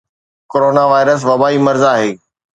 corona virus وبائي مرض آھي